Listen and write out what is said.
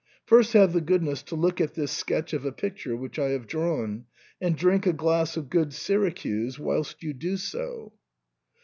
" First have the goodness to look at this sketch of a picture which I have drawn, and drink a glass of good Syracuse whilst you do so."